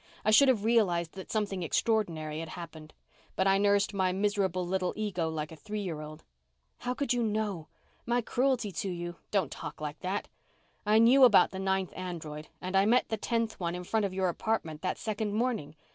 I should have realized that something extraordinary had happened. But I nursed my miserable little ego like a three year old." "How could you know? My cruelty to you " "Don't talk like that! I knew about the ninth android, and I met the tenth one in front of your apartment that second morning.